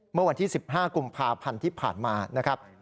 เมื่อวันที่๑๕กุมภาพันธ์ที่ผ่านมานะครับ